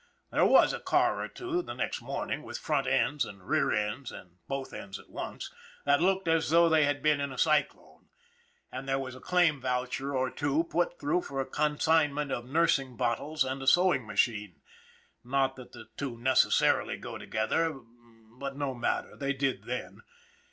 There was a car or two the next morning with front ends and rear ends and both ends at once, that looked as though they had been in a cyclone; and there was a claim voucher or two put through for a consignment of nursing bottles and a sewing machine not that the two necessarily go to gether, but no matter, they did then.